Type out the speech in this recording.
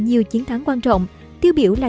nhiều chiến thắng quan trọng tiêu biểu là